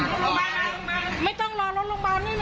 ไม่ต้องรอรถโรงพยาบาลได้เลยอะ